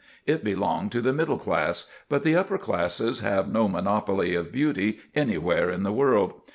It belonged to the middle class, but the "upper classes" have no monopoly of beauty anywhere in the world.